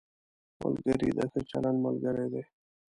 ملګری د ښه چلند ملګری دی